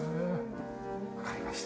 わかりました。